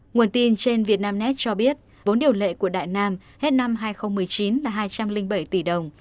nguồn tin trên vietnamnet cho biết vốn điều lệ của đại nam hết năm hai nghìn một mươi chín là hai trăm linh bảy tỷ đồng